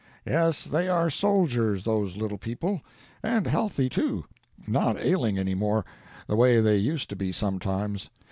"Yes, they are soldiers, those little people; and healthy, too, not ailing any more, the way they used to be sometimes.